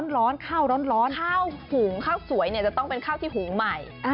ฮะข้าวหุงข้าวสวยจะต้องเป็นข้าวที่หุงใหม่